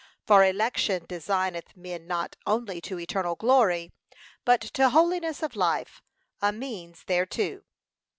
For election designeth men not only to eternal glory, but to holiness of life, a means, thereto.